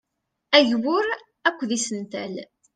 Agbur akked isental.